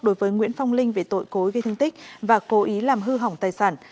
đối với nguyễn phong linh về tội cố ý gây thương tích và cố ý làm hư hỏng tài sản